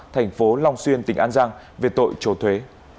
thành phố long xuyên tỉnh an giang về tội trốn thuế